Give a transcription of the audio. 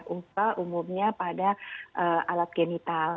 umpa umumnya pada alat genital